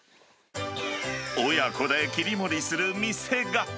親子で切り盛りする店が。